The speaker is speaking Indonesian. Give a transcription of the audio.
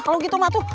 kalau begitu makasih